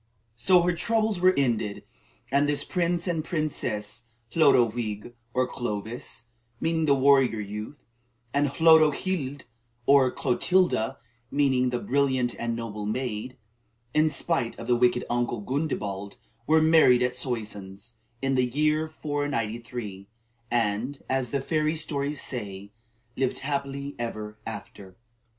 So her troubles were ended, and this prince and princess, Hlodo wig, or Clovis (meaning the "warrior youth"), and Hlodo hilde, or Clotilda (meaning the "brilliant and noble maid"), in spite of the wicked uncle Gundebald, were married at Soissons, in the year 493, and, as the fairy stories say, "lived happily together ever after."